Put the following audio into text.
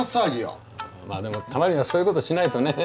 まあでもたまにはそういうことしないとね。